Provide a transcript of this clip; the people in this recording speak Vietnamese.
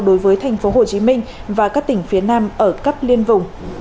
đối với thành phố hồ chí minh và các tỉnh phía nam ở cấp liên vùng